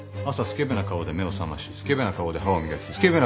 スケベな顔で目を覚ましスケベな顔で歯を磨きスケベ